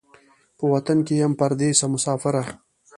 په وطن کې یم پردېسه مسافره